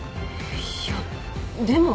いやでも。